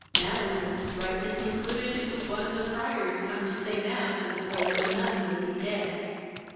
Madelin rightly concluded it was one of the friars come to say mass for the soul of a nun lately dead.